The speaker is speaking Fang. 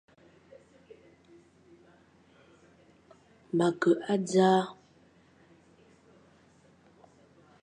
Ma ke a dzaʼa.